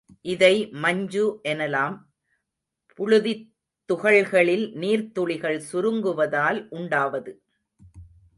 இதை மஞ்சு எனலாம். புழுதித்துகள்களில் நீர்த்துளிகள் சுருங்குவதால் உண்டாவது.